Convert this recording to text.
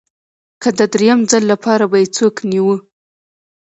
که د درېیم ځل لپاره به یې څوک نیوه